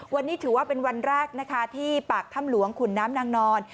วันนี้ถือว่าเป็นวันแรกนะคะที่ปากถ้ำหลวงขุนน้ำนางนอน